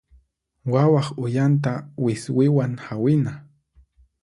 Wawaq uyanta wiswiwan hawina.